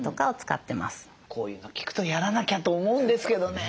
こういうの聞くとやらなきゃと思うんですけどね。